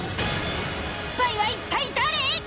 スパイは一体誰！？